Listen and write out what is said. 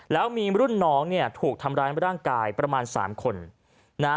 แล้วมีรุ่นน้องเนี่ยถูกทำร้ายร่างกายประมาณสามคนนะฮะ